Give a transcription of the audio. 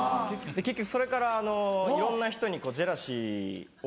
結局それからいろんな人にジェラシーを。